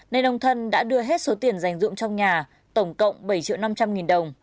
nên ông thân đã đưa hết số tiền dành dụng trong nhà tổng cộng bảy triệu năm trăm linh nghìn đồng